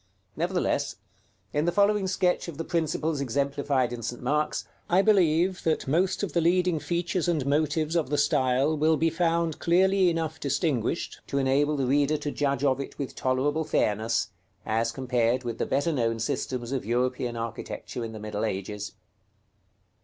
Nevertheless, in the following sketch of the principles exemplified in St. Mark's, I believe that most of the leading features and motives of the style will be found clearly enough distinguished to enable the reader to judge of it with tolerable fairness, as compared with the better known systems of European architecture in the middle ages.